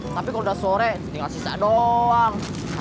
tapi kalau udah sore tinggal sisa doang